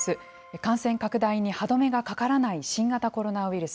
感染拡大に歯止めがかからない新型コロナウイルス。